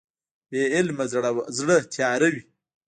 بې علمه زړه تیاره وي.